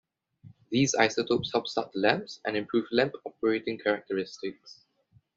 These isotopes help start the lamps and improve lamp operating characteristics.